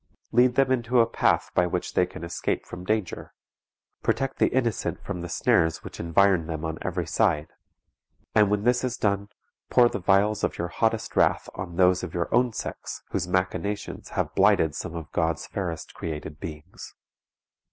Lead them into a path by which they can escape from danger; protect the innocent from the snares which environ them on every side. And when this is done, pour the vials of your hottest wrath on those of your own sex whose machinations have blighted some of God's fairest created beings.